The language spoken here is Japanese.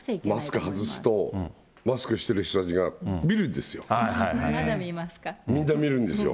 でもね、マスク外すとマスクしてる人たちが見るんですよ。